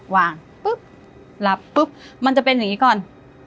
ปุ๊บหลับปุ๊บมันจะเป็นอย่างนี้ก่อน